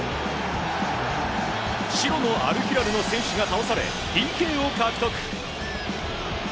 白のアルヒラルの選手が倒されＰＫを獲得。